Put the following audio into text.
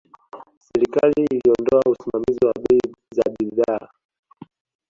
Serikali iliondoa usimamizi wa bei za bidhaa